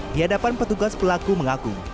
di hadapan petugas pelaku mengaku